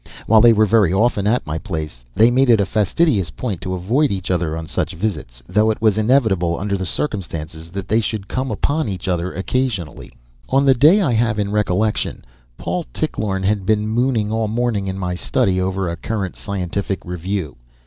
While they were very often at my place, they made it a fastidious point to avoid each other on such visits, though it was inevitable, under the circumstances, that they should come upon each other occasionally. On the day I have in recollection, Paul Tichlorne had been mooning all morning in my study over a current scientific review.